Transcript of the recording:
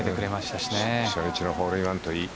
初日のホールインワンといい。